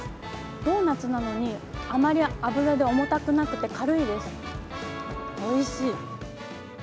ドーナツなのに、あまり油で重たくなくて軽いです、おいしい。